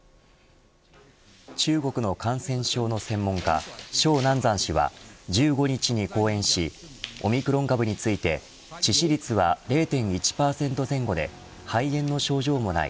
中国の感染症の専門家鐘南山氏は１５日に講演しオミクロン株について致死率は０．１％前後で肺炎の症状もない。